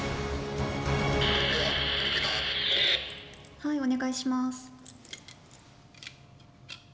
はいお願いします。